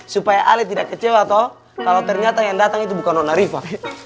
supaya ali tidak kecewa tuh kalau ternyata yang dateng itu bukan nona rifa